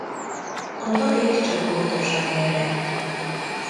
A varik csoportosan élnek.